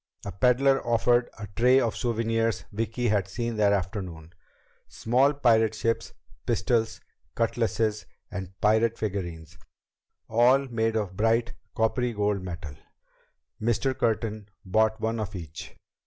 A peddler offered a tray of the souvenirs Vicki had seen that afternoon small pirate ships, pistols, cutlasses, and pirate figurines, all made of bright coppery gold metal. Mr. Curtin bought one of each.